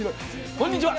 こんにちは。